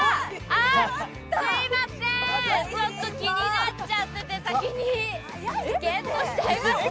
あ、すみませーん、ちょっと気になっちゃってて先にゲットしちゃいました